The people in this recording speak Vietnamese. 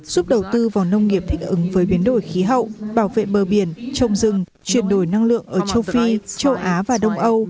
giúp đầu tư vào nông nghiệp thích ứng với biến đổi khí hậu bảo vệ bờ biển trồng rừng chuyển đổi năng lượng ở châu phi châu á và đông âu